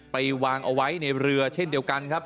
ไปวางเอาไว้ในเรือเช่นเดียวกันครับ